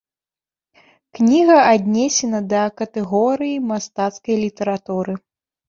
Кніга аднесена да катэгорыі мастацкай літаратуры.